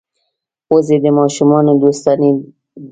وزې د ماشومانو دوستانې دي